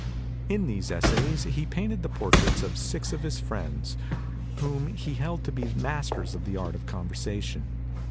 In these essays he painted the portraits of six of his friends whom he held to be masters of the art of conversation.